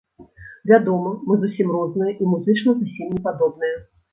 Вядома, мы зусім розныя і музычна зусім не падобныя.